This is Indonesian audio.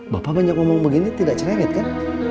bapak banyak ngomong begini tidak cerewet kan